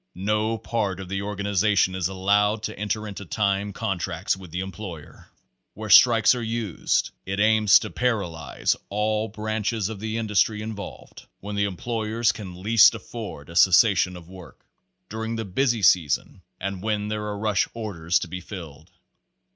No part of the organization is allowed to enter into time contracts with the employers. Where strikes are used, it aims to paralyze all branches of the industry involved, when the employers can least afford a cessa tion of work during the busy season and when there are rush orders to be filled.